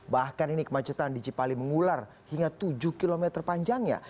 bahkan ini kemacetan di cipali mengular hingga tujuh km panjangnya